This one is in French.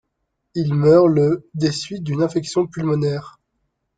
Il meurt le des suites d’une infection pulmonaire.